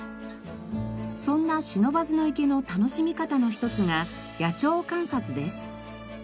そんな不忍池の楽しみ方の一つが野鳥観察です。